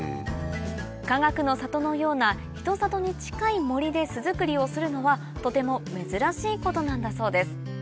かがくの里のような人里に近い森で巣作りをするのはとても珍しいことなんだそうです